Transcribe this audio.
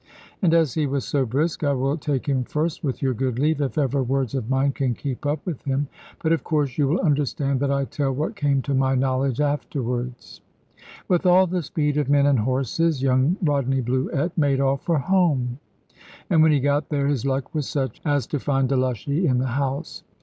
And as he was so brisk, I will take him first, with your good leave, if ever words of mine can keep up with him. But of course you will understand that I tell what came to my knowledge afterwards. With all the speed of men and horses, young Rodney Bluett made off for home, and when he got there his luck was such as to find Delushy in the house.